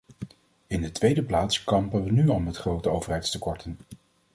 In de tweede plaats kampen we nu al met grote overheidstekorten.